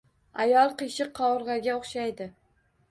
Ayol qiyshiq qovurg‘aga o‘xshaydi.